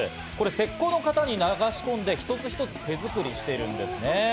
石膏の型に流し込んで一つ一つ手作りしているんですね。